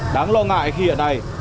đáng lo ngại khi hiện nay